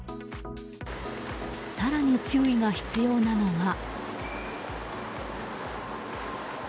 更に、注意が必要なのが。